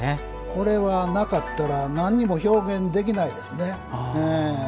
これは、なかったらなんにも表現できないですね。